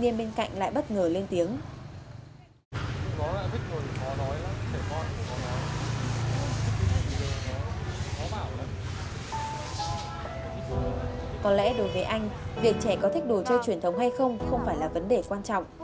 có lẽ đối với anh việc trẻ có thích đồ chơi truyền thống hay không không phải là vấn đề quan trọng